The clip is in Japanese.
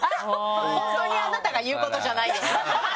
本当にあなたが言うことじゃないよ。